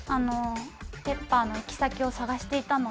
ペッパーの行き先を探していたので。